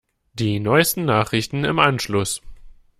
Die neusten Nachrichten im Anschluss.